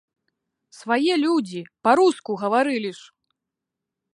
Свае людзі, па-руску гаварылі ж!